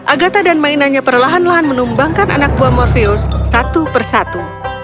agatha dan mainannya perlahan lahan menumbangkan anak buah morpheus satu per satu